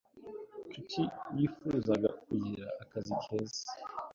Nshuti yifuzaga kugira akazi keza.